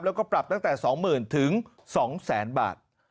แล้วก็ปรับตั้งแต่๒๐๐๐ถึง๒๐๐๐๐บาท